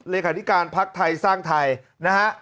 เหลฝการพักไทยสร้างไทยนะฮะ